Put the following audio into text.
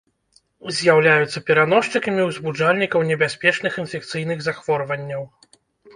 З'яўляюцца пераносчыкамі узбуджальнікаў небяспечных інфекцыйных захворванняў.